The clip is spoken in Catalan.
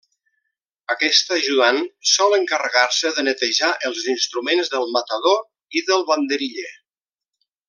Aquest ajudant sol encarregar-se de netejar els instruments del matador i del banderiller.